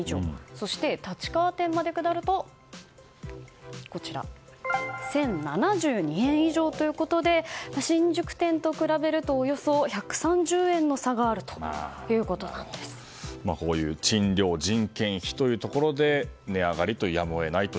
そして、立川店まで下ると１０７２円以上ということで新宿店と比べるとおよそ１３０円の差がこういう賃料、人件費で値上がりはやむを得ないと。